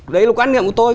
đấy là quan niệm của tôi